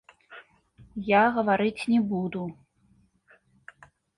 Я гаварыць не буду.